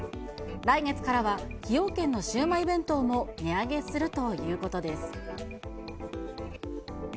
来月からは崎陽軒のシウマイ弁当も値上げするということです。